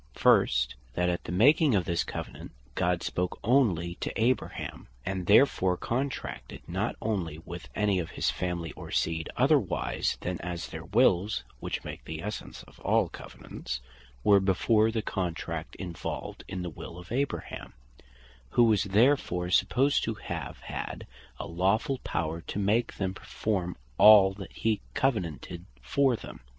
First, that at the making of this Covenant, God spake onely to Abraham; and therefore contracted not with any of his family, or seed, otherwise then as their wills (which make the essence of all Covenants) were before the Contract involved in the will of Abraham; who was therefore supposed to have had a lawfull power, to make them perform all that he covenanted for them.